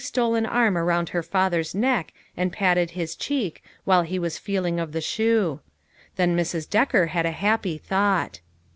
stole an arm around her father's neck and patted his cheek, while he was feeling of the shoe. Then Mrs. Decker had a happy thought.